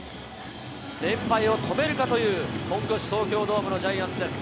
連敗を止めるかという、本拠地、東京ドームのジャイアンツです。